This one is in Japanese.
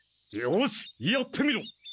よしやってみろ！